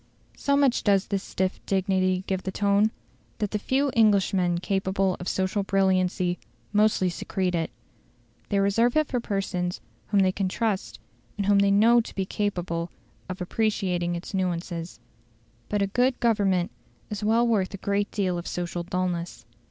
So much does this stiff dignity give the tone, that the few Englishmen capable of social brilliancy mostly secrete it. They reserve it for persons whom they can trust, and whom they know to be capable of appreciating its nuances. But a good Government is well worth a great deal of social dulness.